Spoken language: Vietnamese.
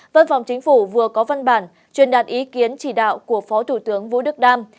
văn phòng chính phủ vừa có văn bản truyền đạt ý kiến chỉ đạo của phó thủ tướng vũ đức đam